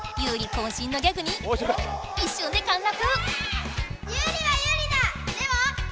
渾身のギャグに一瞬で陥落！